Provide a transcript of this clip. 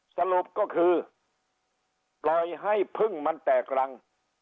สรุปก็คือปล่อยให้พึ่งมันแตกรัง